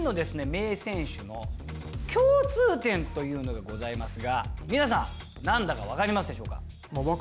名選手の共通点というのがございますが皆さん何だか分かりますでしょうか。